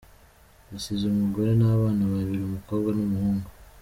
Yasize umugore n’abana babiri, umukobwa n’umuhungu.